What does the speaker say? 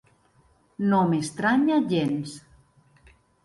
No m'estranya gens.